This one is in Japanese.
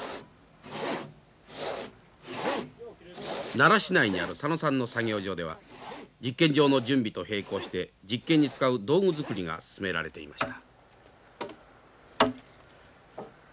奈良市内にある左野さんの作業場では実験場の準備と並行して実験に使う道具作りが進められていました。